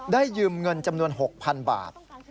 ยืมเงินจำนวน๖๐๐๐บาท